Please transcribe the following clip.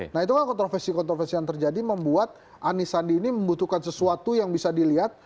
nah itu kan kontroversi kontroversi yang terjadi membuat anisandi ini membutuhkan sesuatu yang bisa dilihat